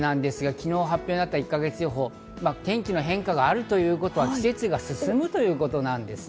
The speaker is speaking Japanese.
昨日発表になった１か月予報、天気の変化があるということは、季節が進むということなんですね。